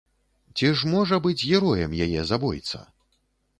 Ці ж можа быць героем яе забойца?